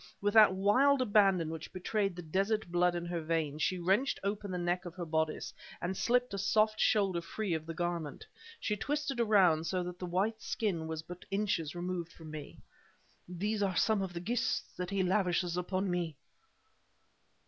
With that wild abandon which betrayed the desert blood in her veins, she wrenched open the neck of her bodice and slipped a soft shoulder free of the garment. She twisted around, so that the white skin was but inches removed from me. "These are some of the gifts that he lavishes upon me!"